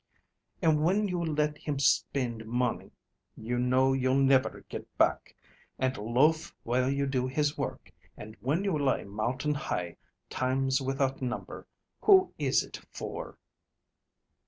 "And whin you let him spind money you know you'll never get back, and loaf while you do his work, and when you lie mountain high, times without number, who is it for?"